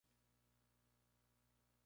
Las canciones tienen su propia melodía.